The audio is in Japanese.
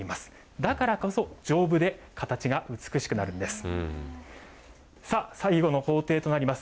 だからこそ、丈夫で形が美しくなるんです。